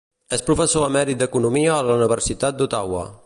És professor emèrit d'economia a la Universitat d'Ottawa.